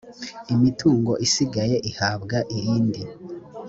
imitungo isigaye ihabwa irindi